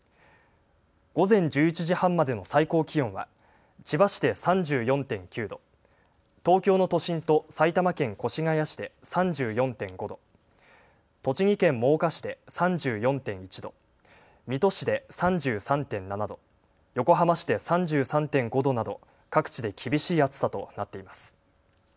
午前１１時半までの最高気温は千葉市で３４．９度、東京の都心と埼玉県越谷市で３４．５度、栃木県真岡市で３４．１度、水戸市で３３．７度、横浜市で３３．５度など各地で厳しい暑さとなっています。